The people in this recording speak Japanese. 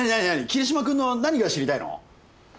桐島君の何が知りたいの？